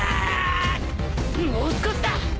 もう少しだ！